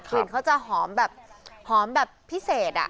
กลิ่นเขาจะหอมแบบหอมแบบพิเศษอะ